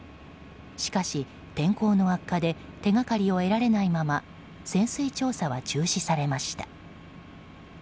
しかし、天候の悪化で手がかりを得られないまま潜水調査は中止されました。